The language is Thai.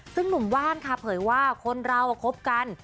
ซึ่งหนุ่มว่านค่ะเผยว่าคนเราคบกัน